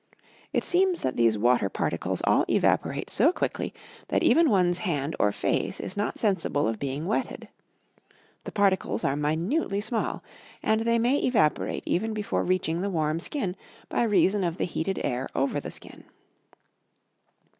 It seems that these water particles all evaporate so quickly that even one's hand or face is not sensible of being wetted. The particles are minutely small; and they may evaporate even before reaching the warm skin, by reason of the heated air over the skin.